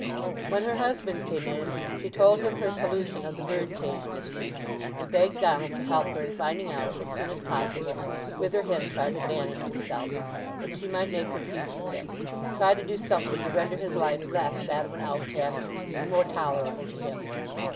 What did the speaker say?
When her husband came in she told him her solution of the bird cage mystery; and begged Donald to help her in finding out, as soon as possible, whither Henchard had banished himself, that she might make her peace with him; try to do something to render his life less that of an outcast, and more tolerable to him.